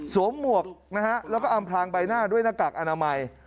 หมวกนะฮะแล้วก็อำพลางใบหน้าด้วยหน้ากากอนามัย